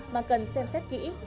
mà cần xem xét kỹ